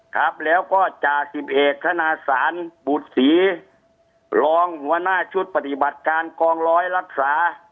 ครับแล้วก็จ่าสิบเอกธนาศาลบุตรศรีรองหัวหน้าชุดปฏิบัติการกองร้อยรักษา